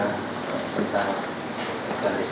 lalu sini adalah pelayanan publik